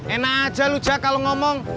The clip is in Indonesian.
enak aja lu jak kalau ngomong